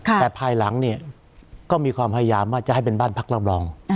แต่ภายหลังเนี่ยก็มีความพยายามว่าจะให้เป็นบ้านพักรับรอง